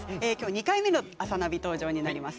２回目の「あさナビ」登場になります。